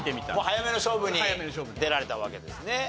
早めの勝負に出られたわけですね。